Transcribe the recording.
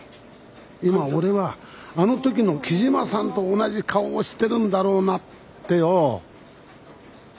今俺はあの時の木島さんと同じ顔をしてるんだろうなってよ。